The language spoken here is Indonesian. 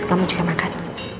kamu juga makan